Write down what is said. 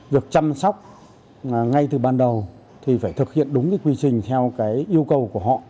việc chăm sóc ngay từ ban đầu thì phải thực hiện đúng quy trình theo yêu cầu của họ